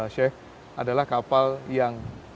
sheikh adalah kapal yang